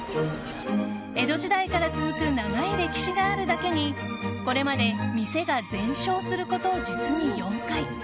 江戸時代から続く長い歴史があるだけにこれまで店が全焼すること実に４回。